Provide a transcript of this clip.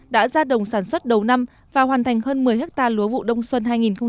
đã ra đồng sản xuất đầu năm và hoàn thành hơn một mươi ha lúa vụ đông xuân hai nghìn một mươi bảy